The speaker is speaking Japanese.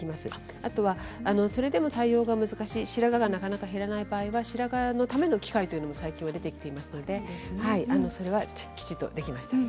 あとはそれでも対応が難しい白髪がなかなか減らない場合は白髪のための機械というのも最近はありますのできちんとできます。